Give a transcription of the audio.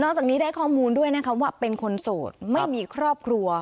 จากนี้ได้ข้อมูลด้วยนะคะว่าเป็นคนโสดไม่มีครอบครัว